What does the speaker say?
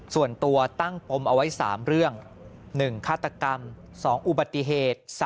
ส่วนตัวตั้งปมเอาไว้๓เรื่อง๑ฆาตกรรม๒อุบัติเหตุ